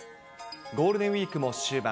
ゴールデンウィークも終盤。